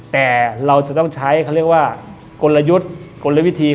แต่เราจะต้องใช้